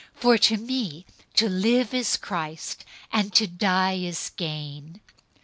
001:021 For to me to live is Christ, and to die is gain.